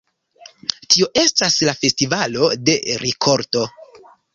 Tio estas la festivalo de rikolto.